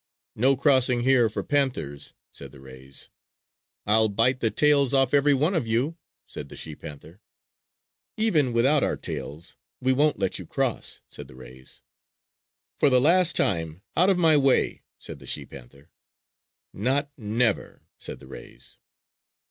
"No crossing here for panthers!" said the rays. "I'll bite the tails off every one of you!" said the she panther. "Even without our tails, we won't let you cross!" said the rays. "For the last time, out of my way!" said the she panther. "Not never!" said the rays.